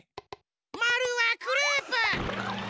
まるはクレープ！